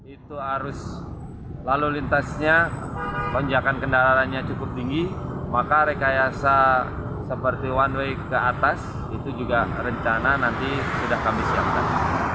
itu arus lalu lintasnya lonjakan kendaraannya cukup tinggi maka rekayasa seperti one way ke atas itu juga rencana nanti sudah kami siapkan